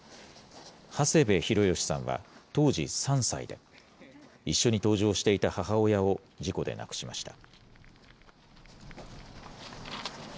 長谷部弘義さんは当時３歳で、一緒に搭乗していた母親を事故で亡くしました。